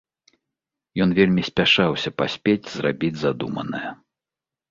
Ён вельмі спяшаўся паспець зрабіць задуманае.